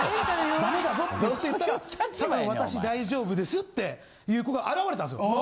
「ダメだぞ」って言っていったら「多分私大丈夫です」っていう子が現れたんですよ。